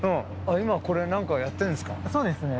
今これ何かやってるんですか？